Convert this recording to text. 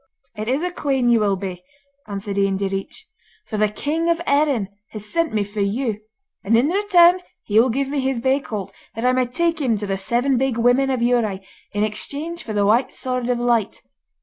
'It is a queen you will be,' answered Ian Direach, 'for the king of Erin has sent me for you, and in return he will give me his bay colt, that I may take him to the Seven Big Women of Dhiurradh, in exchange for the White Sword of Light.